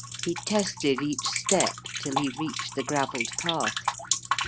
He tested each step till he reached the gravelled path.